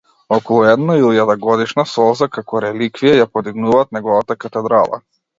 Околу една илјадагодишна солза, како реликвија, ја подигнуваат неговата катедрала.